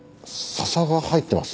笹が入ってます。